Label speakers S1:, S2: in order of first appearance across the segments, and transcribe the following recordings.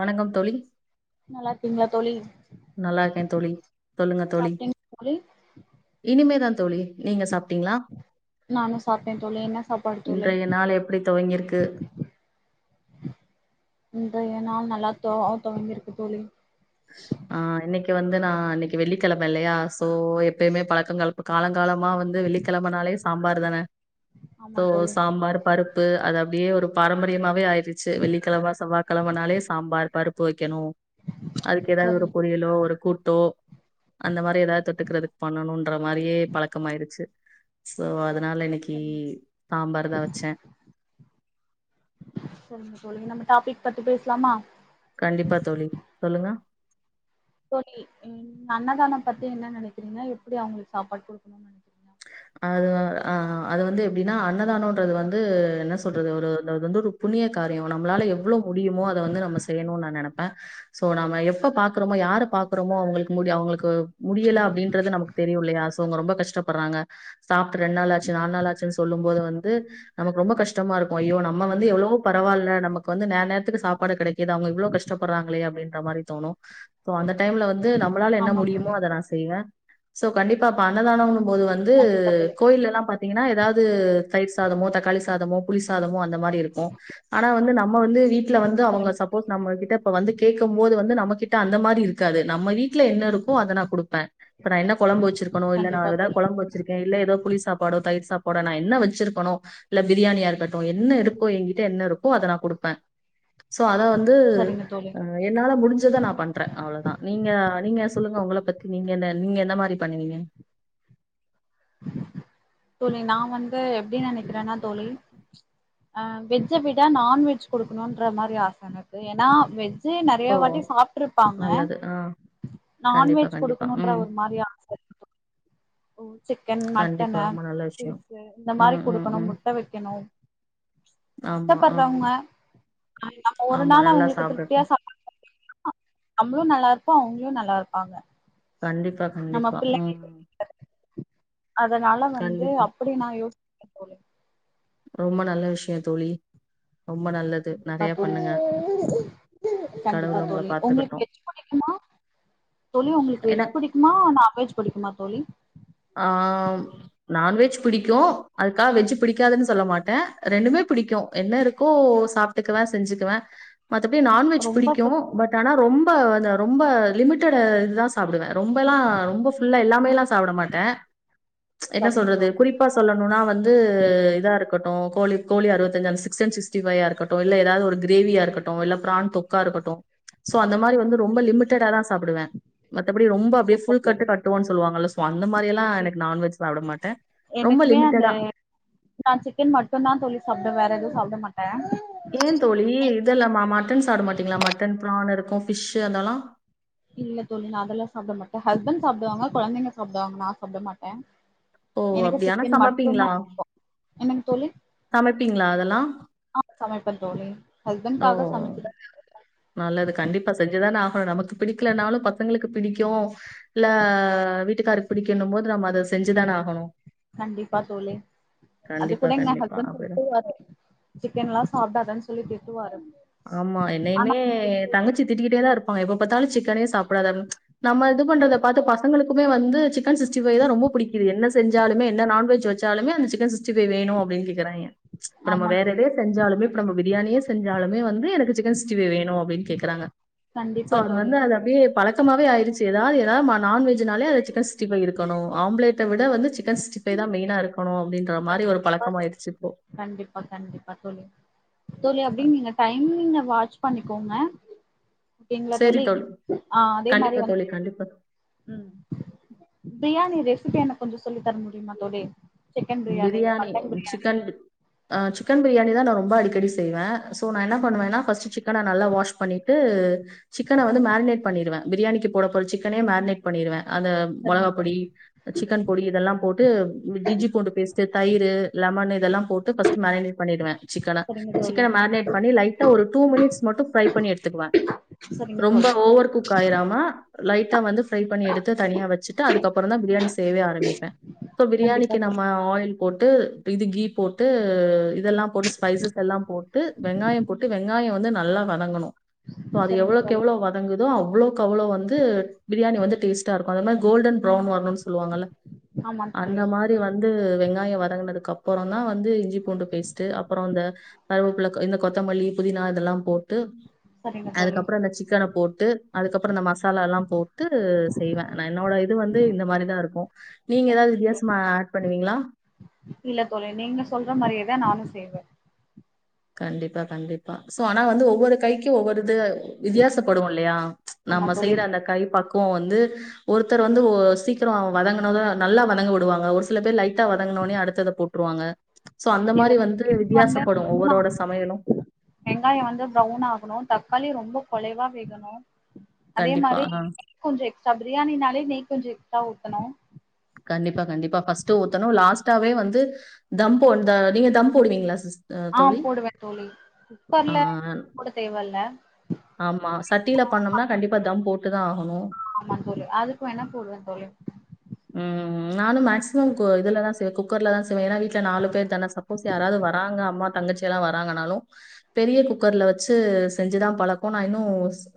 S1: வணங்கம் தொழி
S2: நல்லா ருக்கீங்களா தோழி
S1: நல்லாருக்கேன் தோழி சொல்லுங்க தோழி
S2: சாப்ட்டீங்க தோழி
S1: இனிமேதான் தோழி நீங்க சாப்
S2: நானு சாப்ட்டே தொழி என்ன சாப்பாடு தொழன்
S1: அப்டி துவங்கிருக்கு
S2: இந்த ஏந்நாள் நல்லா தொ தொவங்கியிருக்கு தொழி
S1: ஆ இன்னக் கீ வந்து நா இன்னைக்கு வெள்ளி கெழம இல்லையா எப்பயுமே பழக்கங்கள் இப்ப காலங்காலமா வந்து வெள்ளிக்கெழமனாலே சாம்பார் தான
S2: ஆமா
S1: சோ
S2: தோழி
S1: சாம்பார் பருப் பு அது அப்டியே ஒரு பாரம்பரியமாவே ஆயிருச்சு வெள்ளிக்கெழம செவ்வா கெழனாலே சாம்பார் பருப் பு வக்கெணு ஏதாவ்து ஒரு
S2: சரிங்க
S1: பொரியலோ ஒரு கூட்டோ அந்த மாதிரி ஏதாவ்து தொட்டுக்கிறதுக்கு பண்ணணும்ன்ற மாத்ரியே பழக்கமாயடுச்சு சோ அத்னால இன்னக்கீ
S2: சரிங்க தோழி
S1: சாம்பார் தா வச்சே
S2: சொல்லுங்க தோழி நம்ம டாபிக் பத்தி பேசலாமா
S1: கண்டிப்பா தோழி சொல்லுங்க
S2: தோழி அன்னதானம் பத்தி என்ன நெனக்கிறீங்க எப்டி அவுங்களுக்கு சாப்பாடு குடுக்கணும்னு நெனக்
S1: அது ஆ அது வந்து எப்டின்னா அன்னதானம்ன்றது வந்து என்ன சொல்றது ஒரு தந்துரு புண்ணிய காரியோ நம்மளால எவ்வளவு முடியுமோ அத வந்து நம்ம செய்யணும்னு நா நெனைப்பே சோ நம்ம எவ் எப்ப
S2: சரிங்க
S1: பாக்றமோ
S2: தோழி
S1: யார பாக் குறோமோ அவுங்களுக்கு மு அவங்களுக்கு முடியல அப்டின்றது நமக்கு தெரியு இல்லையா சோ அவுங்க ரொம்ப கஷ்டப்பட்றாங்க சாப்ட்டு ரெண்டு நாள் ஆச்சு நாலு நாள் ஆச்சு சொல்லும்போது வந்து நமக்கு ரொம்ப கஷ்டமாருக்கு ஐயோ நம்ம வந்து எவ்ளவோ பரவால்ல நமக்கு வந்து நேர நேரத்துக்கு சாப்பாடு கிடக்கீது அவுங்க இவ்வளவு கஷ்டப்படுறாங்களே அப்டின்ற மாத்ரி தோணு சோ அந்த டைம்ல வந்து நம்மளால என்ன
S2: ஆமா
S1: முடியுமோ
S2: தோழி
S1: அத நா செய்வே சோ கண்டிப்பா அன்னதானம் போது வந் து
S2: கண்டிப்பா தோழி
S1: கோயில்லெல்லா பாத்தீங்ன்னா ஏதாவ்து தயிர் சாதமோ தக்காளி சாதமோ வந் புளிசாதமு அந்த மாரி இருக்கு ஆனா வந்து நம்ம வந்து வீட்ல வந்து அவங்க
S2: சரிங்க
S1: சப்
S2: தோழி
S1: போஸ் நம்மகிட்ட இப்ப வந்து கேக்கும்போது வந்து நம்மகிட்ட அந்த மாரி இருக்காது நம்ம வீட் ல என்ன இருக்கோ அத நா குடுப்பே இப்ப நா என்ன கொழம்பு வெச்சிருக்கணு இல்ல நா
S2: கண்டிப்பா
S1: எதா
S2: தோழி
S1: கொழம்ப வெச்சிருக்கே இல்ல எதோ புளி சாப்பாடோ தயிர் சாப்பாடோ நா என்ன வெச்சிருக்கணோ இல்ல பிரியாணியா இருக்கட்டு என்ன இருக்கோ எங்கிட்ட என்ன இருக்கோ அத நா குடுப்பே சோ அத வந்து
S2: சரிங்க தோழி
S1: அ என்னால முடிஞ்சத நா பண்றே அவ்ளதா நீங்க நீங்க சொல்லுங்க உங்கள பத்தி நீங்க என்ன நீங்க எந்த மாரி பண்ணுவீங்க
S2: தோழி நா வந்து எப்டி நனைக்கிறனா தோழி ஆ வெஜ்ஜ விட நான்வெஜ் குடுக்கணுன்றமாரி ஆச எனக்கு எனா வெஜ் ஜு நறைய
S1: ஓ
S2: வாட்டி சாப்ட்ருப்பாங்க
S1: நல்லது ஆ கண்டிப்பா
S2: நான்வெஜ்
S1: கண்டிப்பா
S2: குடுக்கணுன்ற
S1: ம்
S2: ஒருமாரி ஆச இருக்கு. ஓ சிக்கன்
S1: கண்டிப்பா
S2: மட்டனு
S1: ரொம்ப நல்ல விஷயம்
S2: ஃபிஷ்ஷு இந்த மாரி
S1: ம் ம்
S2: குடுக்கணு
S1: ம்
S2: முட்ட வெக்கணு
S1: ஆமா ஆ
S2: கஷ்டப்பட்றோங்க நம்ம ஒரு
S1: ஆமா
S2: நாள்
S1: நல்லா
S2: அவுங்களுக்கு திருப்தியா
S1: சாப்டட்டும்
S2: சப்பாடு நம்மளு நல்லாருப்போ அவுங்களு நல்லாருப்பாங்க
S1: கண்டிப்பா கண்டிப்பா ம்
S2: அதனால வந்து
S1: கண்டிப்பா
S2: அப்டி நா யோசிக்க போல
S1: ரொம்ப நல்ல விஷ்யோ தோழி ரொம்ப நல்லது
S2: கண்டிப்பா
S1: நெறைய
S2: தோழி
S1: பண்ணுங்க
S2: கண்டிப்பா
S1: கடவுள் உங்கள
S2: தோழி உங்களுக்கு
S1: பாத்துக்கட்டும்
S2: வெஜ்ஜு புடிக்குமா தோழி உங்களுக்கு
S1: ஏன்னா
S2: வெஜ் புடிக்குமா நான்வெஜ் புடிக்குமா தோழி
S1: ஆ நான்வெஜ் பிடிக்கு அதுக்கா வெஜ் பிடிக்காதுன்னு சொல்ல மாட்டே ரெண்டுமே பிடிக்கு என்ன இருக்கோ சாப் டுக்குவே செஞ்சுக்குவே மத்தபடி நான்வெஜ்
S2: ரொம்ப
S1: பிடிக்கு
S2: புடிக்குது
S1: பட் ஆனா ரொம்ப அந்த ரொம்ப லிமிட்டட் இதுதா சா சாப்புடுவே ரொம்பல்லா ரொம்ப ஃபுல்லா எல்லாமேலா சாப்பட மாட்டே என்ன
S2: சரிங்க
S1: சொல்றது
S2: தோழி
S1: குறிப் பா சொல்லணுனா வந்து இதா இருக்கட்டு கோழி கோழி அறுவத்தஞ்சு அந்த சிக்கன் சிக்ஸ்டி ஃபைய்யா இருக்கட் இல்ல எதாது ஒரு கிரேவியா இருக்கட்டு இல்ல பிரான் தொக்கா இருக்கட்டு சோ அந்த மாரி வந்து ரொம்ப லிமிட்டடாதா சாப்புடுவே மத்தபடி ரொம்ப அப்டியே
S2: சூப்பர்
S1: ஃபுல் கட்டு
S2: தோழி
S1: கட்டுவோன் சொல்வாங்கல சோ அந்த மாரி எல்லா ஆ எனக்கு நான்வெஜ் சாப்பட மாட்ட ரொம்ப
S2: எனக்குமே அந்த
S1: லிமிட்டடா
S2: நா சிக்கன் மட்டுந்தா தோழி சாப்டுவே வேற எதுவு சாப்ட மாட்ட
S1: ஏ தோழி இதெல்லமா மட்டன் சாப்ட மாட்டிங்ளா மட்டன் ப்ரான் இருக்கு ஃபிஷ்ஷு அதெல்லா
S2: இல்ல தோழி நா அதெல்லா சாப்ட மாட்ட ஹஸ்பெண்ட் சாப்டுவாங்க கொழந்தைங்க சாப்டுவாங்க நா சாப்ட மாட்ட
S1: ஓ!
S2: எனக்கு
S1: அப்படியா? ஆனா
S2: சிக்கன் மட்டுதா புடிக்கு என்னங் தோழி
S1: சமைப்பீங்ளா அதெல்லா
S2: ஆ சமைப்பே தோழி
S1: ஓ!
S2: ஹஸ்பெண்ட்காக சமைச்சுட்ட
S1: நல்லது கண்டிப்பா செஞ்சுதான ஆகணு நமக்கு பிடிக்கலனாலு பசங்களுக்கு பிடிக்கு இல்ல வீட்க்காருக்கு பிடிக்கினு போது நம்ம அத செஞ்சுதான ஆகணு
S2: கண்டிப்பா தோழி
S1: கண்டிப்பா,
S2: அதுகூட எங்க
S1: கண்டிப்பா.
S2: ஹஸ்பெண்டு
S1: அப்படிதான்.
S2: திட்டுவாரு சிக்கன்லா சாப்டாதான் சொல்லி திட்டுவாரு
S1: ஆமா என்னையுமே
S2: ஆனா
S1: தங்கச்சி திட்டிக்குட்டேதா இருப்பாங்க எப்ப பாத்தாலு சிக்கனே சாப்டாத நம்ம இது பண்றத பாத்து பசங்களுக்கு வந்து சிக்கன் சிக்ஸ்டி ஃபைவ்தா ரொம்ப புடிக் கிது என்ன செஞ்சாலுமே என்ன நான்வெஜ் வெச்சாலுமே அந்த சிக்கன் சிக்ஸ்டி ஃபைவ் வேணு அப்டின் கேக்குறாய்ங்க இப்ப நம்ம
S2: ஆமா
S1: வேற
S2: தோழி
S1: எதையே செஞ்சாலுமே இப்ப நம்ம பிரியாணியே செஞ்சாலுமே வந்து எனக்கு சிக்கன் சிக்ஸ்டி ஃபைவ் வேணு அப்டின் கேக்குறாங்க சோ
S2: கண்டிப்பா
S1: அது
S2: தோழி
S1: வந்து அது அப்டியே பழக் கமாவே ஆய்ருச்சு எதாது எதா ம நான்வெஜ் நாலே அந்த சிக்கன் சிக்ஸ்டி ஃபைவ் இருக்கணு ஆம்லேட்டவிட வந்து சிக்கன் சிக்ஸ் டி ஃபைவ்தா மெய்னா இருக்கணு அப்டின்ற மாரி ஒரு
S2: கண்டிப்பா தோழி.
S1: பழக்கமாய்ருச்சு இப்போ
S2: கண்டிப்பா கண்டிப்பா தோழி அப்டி நீங்க டைமிங்க வாட்ச் பண்ணிக்கோங்க ஓகேங் ல தோழி அதே மாரி
S1: கண்டிப்பா
S2: வந்து
S1: தோழி, கண்டிப்பா.
S2: ம் பிரியாணி ரெசிபி எனக்கு கொஞ்ச சொல்லி தர முடியுமா தோழி சிக்கன் பிரியாணி மட்டன் பிரியாணி
S1: ஆ சிக்கன் பிரியாணி தா நா ரொம்ப அடிக்கடி செய்வே சோ நா என்ன பண்ணுவேன்னா பஸ்ட் சிக் சிக்கன நல்ல வாஷ் பண்ணிட்டு சிக்கன வந்து மேக்னேட் பண்ணிடுவே பிரியாணிக்கு போட போற சிக்கனயு மேக்னேட் பண்ணிருவே அந்த
S2: சரிங்க
S1: மொளகா பொடி
S2: தோழி
S1: சிக்கன் பொடி இதெல்லா போட்டு ஜிஜி பூண்டு பேஸ்ட் தயிரு லெமனு இதெல்லா போட்டு பர்ஸ்ட் மேரினேட் பண்ணிடுவே சிக்கன
S2: சரிங்க தோழி
S1: சிக்கன மேக்னேட் பண்ணி லைட்டா ஒரு டூ மினிட்ஸ் மட்டு ஃப்ரை பண்ணி எடுத்துகவே
S2: சரிங்க தோழி சரிங்க
S1: ரொம்ப
S2: தோழி
S1: ஓவர் குக் ஆயிராமா லைட்டா வந்து ஃப்ரை பண்ணி எடுத்து தனியா வச்சுட்டு அதுக்கப்புரோ தா பிரியாணி செய்யவே ஆரம்பிப்பே இப்ப
S2: கண்டிப்பா
S1: பிரியாணிக்கு நம்ம
S2: தோழி
S1: ஆயில் போட்டு இது கீ போட்டு இதெல்லா போட்டு ஸ்பைசஸ் எல்லா போட்டு வெங்காயோ போட்டு வெங்காய வந்து நல்லா வதங்கணு அது
S2: சரிங்க
S1: எவ்ளோக்கு
S2: தோழி
S1: எவ்ளோ வத வதங்குதோ அவ்ளோக்கு அவ்ளோ வந்து பிரியாணி வந்து டேஸ்டா இருக்கு அத மாரி கோல்டன் ப்ரோவ்ன் வரணுன்னு சொல்லுவாங்கள
S2: ஆமா
S1: அந்த
S2: தோழி
S1: மாரி வந்து வந்து வெங்காய வதங்குனதுக்கு அப்பரோ தா வந்து இஞ்சி பூண்டு பேஸ்ட் அப்ரோ அந்த கருவேப்பிள்ள இந்த கொத்தமல்லி புதினா இதெல்லா போட்டு
S2: சரிங்க தோழி
S1: அதுக்கப்ரோ இந்த சிக்கன போட்டு அதுக்கப்ரோ இந்த மசாலால்லா போட்டு செய்வே நா என்னோட இது வந்து இந்த மாரிதா இருக்கு நீங்க ஏதாது வித்தியாசமா ஆட் பண்ணுவீங்களா
S2: இல்ல தோழி நீங்க சொல்ற மாரியேதா நானு செய்வே
S1: கண்டிப்பா கண்டிப்பா சோ ஆனா வந்து ஒவ்வொரு கைக்கு ஒவ்வொரு இது வித்தியாசப்படு இல்லையா
S2: ஆமா
S1: நம்ம
S2: தோழி
S1: செய்யற அந்த கை பக் குவோ வந்து ஒருத்தர் வந்து ஒ சீக்கிரொ வதங்கனது நல்லா வதங்க விடுவாங்க ஒரு சில பேர் லைட்டா வதங்னவுனே அடுத்தத போட்டுருவாங்க சோ அந்த
S2: இல்ல
S1: மாரி வந்து வித்தியாசப்படு ஒவ்வொரு [unintelligible] சமையலு
S2: வெங்காயம் வந்து பிரொவ்ன் ஆகணு தக்காளி ரொம்ப குலைவா வேகணு அதே
S1: கண்டிப்பா.
S2: மாரி்
S1: ஆ
S2: நெய் கொஞ்செர எக்ஸ்ட்ரா பிரியாணினாலே நெய் கொஞ்ச எக்ஸ்ட்ரா ஊத்தணு
S1: கண்டிப்பா கண்டிப்பா ஃபஸ்ட் ஊத்தணு லாஸ்ட்டாவே வந்து தம்போ இந்த நீங்க தம் போடுவீங்களா சிஸ் அ
S2: ஆ
S1: தோழி?
S2: போடுவே தோழி
S1: ஆ
S2: குக்கர்ல போட தேவல்ல
S1: ஆமா சட்டியில பண்ணோம்னா கண்டிப்பா தம் போட்டு தான ஆகணு
S2: ஆமா அதுக்கு வேன்னா போடுவே தோழி
S1: ம் நானும் மேக்சிமம் கு இதல்ல தா செ குக்கர்ல தா செய்வே வீட்ல நாலு பேர் தான சப்போஸ் யாராவது வராங்க அம்மா தங்கச்சி எல்லா வராங்கனாலு பெரிய குக்கர்ல வச்சு செஞ்சுதா பழக்கோ நா இன்னு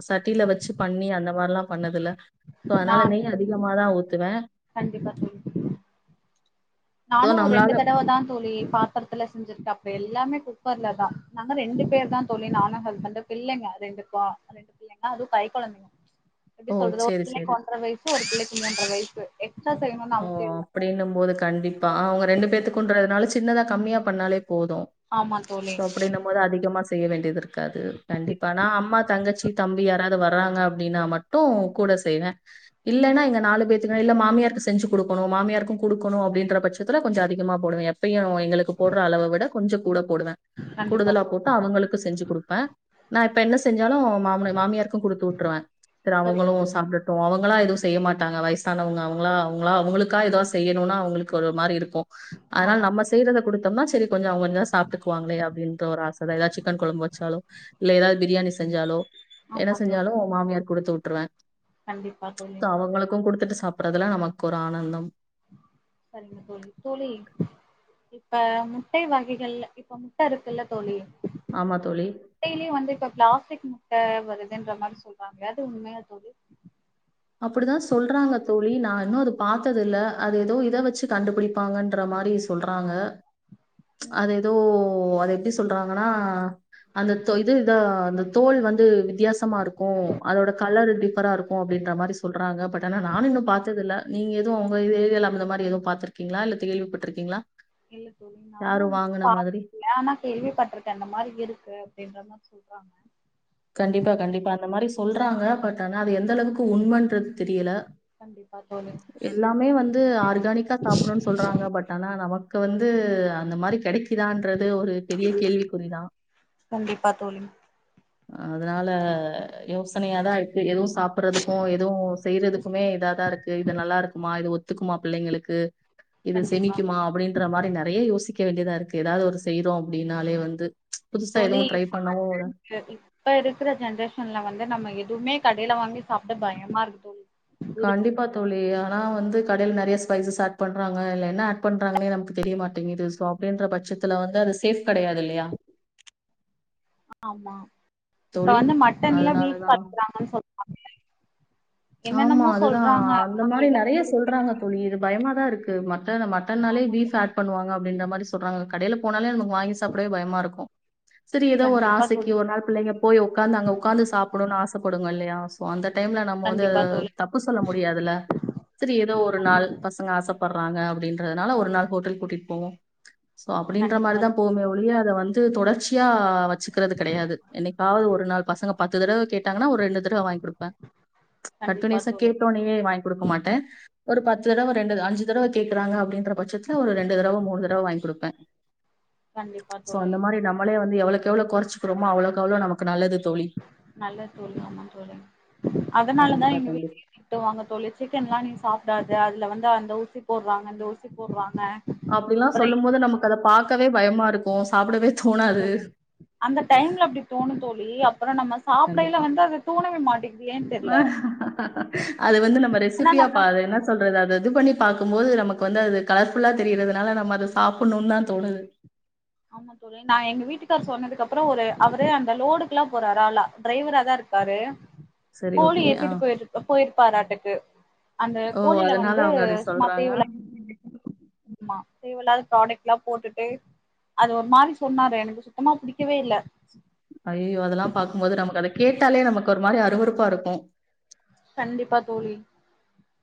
S1: சட்டியில வச்சு பண்ணி அந்த மாரில்லா பண்ணதுல்ல சோ அதனால
S2: நான்
S1: நெய் அதிகமாதா ஊத்துவே.
S2: கண்டிப்பா தோழி
S1: ஸோ,
S2: நானு ரெண்டு
S1: நம்மளால
S2: தடவ தா தோழி பா பதத்துல செஞ்சிருக்க அப்ப எல்லாமே குப்பர்ல தா நாங்க ரெண்டு பேர் தா தோழி நானு ஹஸ்பண்ட்டு பிள்ளைங்க ரெண்டு க ரெண்டு பிள்ளைங்க அதுவு கை கொழந்தைங்க எப்டி
S1: ஓ!
S2: சொல்றது ஒரு
S1: சரி,
S2: பிள்ளைக்கு
S1: சரி.
S2: ஒன்றரை வயசு ஒரு பிள்ளைக்கு மூன்றரை வயசு எக்ஸ்ட்ரா செய்யணும்னு அவசிய இல்ல
S1: அப்டின்னும் போது கண்டிப்பா அ அவுங்க ரெண்டு பேத்துக்குண்டுறதுனால சின்னதா கம்மியா பண்ணாலே போது
S2: ஆமா தோழி
S1: அப்டின்னும் போது அதிகமா செய்ய வேண்டியது இருக்கு இருக்காது கண்டிப்பா நா அம்மா, தங்கச்சி, தம்பி, யாராது வர்றாங்க அப்டின்னா மட்டு கூட செய்வே இல்லன்னா
S2: கண்டிப்பா
S1: இங்க நாலு பேத்துக்கு இல்ல மாமியார்கு செஞ்சு கொடுக்கணு மாமியாருக்கும் கொடுக்கணு அப்டின்ற பட்சத்தில கொஞ்சோ அதிகமாக போடுவே எப்பயு எங்களுக்கு போடுற அளவ விட கொஞ்சோ கூட போடுவேன்
S2: கண்டிப்பா
S1: கூடுதலா போட்டா
S2: தோழி
S1: அவங்களுக்கு செஞ்சு கொடுப்பேன் நா இப்ப என்ன செஞ்சாலு மாம மாமியாருக்கும் குடுத்து விட்டுருவேன் சேரி
S2: சரி
S1: அவங்களு சாப்பிடட்டோ அவங்களா எதுவு செய்ய மாட்டாங்க வயசானவங்க அவங்களா ங்களா அவங்களுக்கா ஏத செய்யணும்னு அவங்களுக்கு ஒரு மாதிரி இருக்கு அதனால
S2: ஆமா
S1: நம்ம செய்றத கொடுத்தோம்னா சேரி கொஞ்சோ அங்க கொஞ்சோ சாப்பிட்டுக்குவாங்களே அப்டின்ற ஒரு ஆச தா எதாச்சு சிக்கன் குழம்பு வச்சாலோ இல்ல ஏதாவது பிரியாணி செஞ்சாலோ என்ன
S2: ஆமா தோழி
S1: செஞ்சாலு மாமியார்க்கு குடுத்து விட்டுருவே
S2: கண்டிப்பா தோழி
S1: அவங்களுக்கு குடுத்துட்டு சாப் புறதுல நமக்கு ஒரு ஆனந்தம்
S2: சேரிங்க தோழி தோழி இப்ப முட்டை வகைகள் இப்ப முட்ட இருக்குல்ல தோழி
S1: ஆமா தோழி
S2: முட்டையும் வந்து இப்ப பிளஸ்டிக் முட்ட வருதுன்ற மாதிரி சொல்றாங்களையா அது உண்மையா தோழி
S1: அப்படிதா சொல்றாங்க தோழி நா இன்னு அது பாத்தது இல்ல அது ஏதோ இத வச்சு கண்டுபிடிப்பாங்கன்ற மாரி சொல்றாங்க ம்ச் அது
S2: ம்
S1: ஏதோ அது எப்டி சொல்றாங்கன்னா அந்த தோ இது இத அந்த தோல் வந்து வித்தியாசமா இருக்கு அதோட கலர் டிஃபரா இருக் கு அப்டின்ற மாதிரி சொல்றாங்க பட் ஆனா நானு இன்னு பாத்த தில்ல நீங்க எதுவு உங்க ஏரிய அந்த மாதிரி எதவு பாத்துருக்கீங்களா இல்ல கேள்விப்பட்டிருக்கீங்களா
S2: இல்ல தோழி நானு
S1: யாரும்
S2: இன்னு
S1: வாங்குன மாதிரி
S2: பாத்ததில்ல ஆனா கேள்விப்பட்டுருக்கேன் அந்த மாரி இருக்கு அப்டின்ற மாரி சொல்றாங்க
S1: கண்டிப்பா கண்டிப்பா அந்த மாரி சொல்றாங்க பட் ஆனா அது எந்த அளவுக்கு உண்மைன்றது தெரியல
S2: பாத்தோனே
S1: எல்லாமே வந்து ஆர்கானிக்கா சாப்பிடணும்ன்னு சொல்றாங்க பட் ஆனா நமக்கு வந்து அந்த மாரி கிடைக்குதான்றது ஒரு பெரிய
S2: ம் ம்
S1: கேள்விக்குறிதான்.
S2: கண்டிப்பா தோழி
S1: அதனால யோசனையாதா இருக்கு எதுவு சாப்பிறதுக்கும் எதுவு செய்யறதுக்குமே இதாதா இருக்கு இது நல்லா இருக்குமா இது ஒத்துக்குமா பிள்ளைங்களுக்கு இது
S2: கண்டிப்பா
S1: செமிக்குமா அப்டின்ற மாரி நிறைய யோசிக்க வேண்டியதா இருக்கு ஏதாவது ஒரு செய்யறோ அப்டின்னாலே வந்து புதுசா
S2: தோழி
S1: எதுவும் ட்ரை
S2: இப்ப
S1: பண்ணவும் இல்ல.
S2: வர்ரேன் த்து இப்ப இருக்கிற ஜென்ரேஷன்ல வந்து நம்ம எதுவுமே கடையில வாங்கி சாப்பிட பயமா இருக்குத
S1: கண்டிப்பா தோழி ஆனா வந்து கடையில நெறையா ஸ்பைசஸ் ஆட் பண்றாங்க இதுலயென்ன பண்றாங்களே நமக்கு தெரிய மாட்டேங்குது அப்டின்ற பட்சத்துல வந்து அது சேஃப் கிடையாது இல்லையா
S2: ஆமா இப்ப
S1: தோழி.
S2: வந்து மட்டன்ல பீஃப்
S1: அதனாலதான்
S2: பாக்குறாங்கனு சொல்ல
S1: ஆமா அதுதான்
S2: சொல்றாங்க
S1: அந்த
S2: ஆனா
S1: மாரி
S2: எத
S1: நெறையா
S2: நம்புறதுனே
S1: சொல்றாங்க
S2: தெரியல
S1: சொ இது பயமா தா இருக்கு மட்டன் மட்டன்னாலே
S2: ஆமா
S1: பீஃப்
S2: தோழி
S1: ஆட் பண்ணுவாங்க அப்படின்ற மாரி சொல்றாங்க கடையில போனாலே நமக்கு வாங்கி சாப்பிடவே பயமா இருக்கு செரி ஏதோ ஒரு
S2: கண்டிப்பா
S1: ஆசைக்கு
S2: தோழி
S1: ஒரு நாள் பிள்ளைங்க போய் உட்காந்தாங்க அங்க உட்காந்து சாப்பிடணும்ன்னு ஆசைப்படுங்க இல்லையா சோ அந்த டைம்ல நம்ம வந்து
S2: கண்டிப்பா தோழி
S1: தப்பு சொல்ல முடியாதுல செரி ஏதோ ஒரு
S2: ஆமா
S1: நாள்
S2: தோழி
S1: பசங்க ஆசப்படுறாங்க அப்டின்றதுனால ஒரு நாள் ஹோட்டல் கூட்டிகிட்டு போவோம் சோ அப்டின்ற
S2: கண்டிப்பா
S1: மாரிதா
S2: தோழி.
S1: போவோமே ஒழிய அத வந்து தொடர்ச்சியா வச்சுக்கிறது கிடையாது என்னைக்காவது ஒரு நாள் பசங்க பத்து தடவ கேட்டாங்கன ஒரு ரெண்டு தடவ வாங்கி குடுப்பே
S2: கண்டிப்பா
S1: கண்டினியூசா
S2: தோழி
S1: கேட்டோனே வாங்கி கொடுக்க மாட்டேன் ஒரு பத்து தடவை ரெண்டு அஞ்சு தடவ கேட்கறாங்க அப்டின்ற பட்சத்துல ஒரு ரெண்டு தடவ மூணு தடவ வாங்கி கொடுப்பன்
S2: கண்டிப்பா
S1: சோ
S2: தோழி
S1: அந்த மாரி நம்மளே வந்து எவ்ளோ எவ்ளோ குறைச்சிக்குறோமோ அவ்ளோக்கு அவ்ளோ நமக்கு நல்லது தோழி
S2: நல்லது தோழி ஆமா தோழி அதனாலதா
S1: கண்டிப்பா
S2: எங்க
S1: கண்டிப்பா
S2: வீட்டு திட்டுவாங்க தோழி சிக்கன்ல்லா நீ சாப்டாத அதுல வந்து அந்த ஊசி போட்றாங்க இந்த ஊசி போட்றாங்க
S1: அப்டிலா சொல்லும் போது நமக்கு அத பாக்கவே பயமா இருக்கு சாப்டவே
S2: ஆமா
S1: தோணாது
S2: தோழி அந்த டைம்ல அப்டி தோணும் தோழி அப்புறோ நம்ம சாப்டைல
S1: கண்டிப்பா
S2: வந்து அது தோணவே மாட்டேங்குது ஏன்னு தெர்ல
S1: அது வந்து நம்ம
S2: ஆனா
S1: ரெசிபியா
S2: நம்ம
S1: பா என்ன சொல்றது அத இது பண்ணி பாக்கும்போது நமக்கு வந்து அது கலர்ஃபுல்லா தெரியிறதுனால நம்ம அத சாப்புனு தா தோணுது
S2: ஆமா தோழி நா எங்க வீட்டுக்காரரு சொன்னதுக்கு அப்புறோ ஒரு அவரு அந்த லோடுக்குல்லா போறாரால டிரைவரா தா இருக்காரு
S1: சரி
S2: கோழி
S1: ஓகே ஆ
S2: ஏத்திட்டு போயிரு போயிருப்பாருக்கு அந்த
S1: ஓ
S2: கோழில
S1: அதனால
S2: வந்து
S1: அவங்க அப்டி
S2: சும்மா
S1: சொல்றாங்க
S2: ஆமா தேவ இல்லாத ப்ராடக்ட் எல்லா போட்டுட்டு அது ஒரு மாரி சொன்னாரு எனக்கு சுத்தமா பிடிக்கவே இல்ல
S1: ஐயயோ அதெல்லா பாக்கும்போது நமக்கு அத கேட்டாலே நமக்கு ஒரு மாரி அறுவறுப்பா இருக்கு
S2: கண்டிப்பா தோழி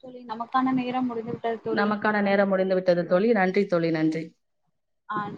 S2: தோழி நமக்கான நேரம் முடிஞ்ச
S1: நமக்கான நேரோ முடிந்து விட்டது தோழி நன்றி தோழி நன்றி
S2: ஆம்